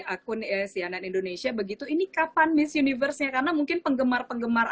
akun cnn indonesia begitu ini kapan miss universe nya karena mungkin penggemar penggemar